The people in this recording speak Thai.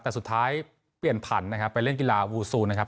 แต่สุดท้ายเปลี่ยนผันนะครับไปเล่นกีฬาวูซูนะครับ